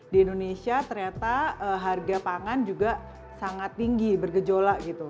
di indonesia ternyata harga pangan juga sangat tinggi bergejolak gitu